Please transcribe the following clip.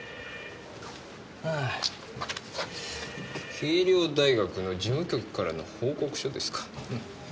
恵稜大学の事務局からの報告書ですか。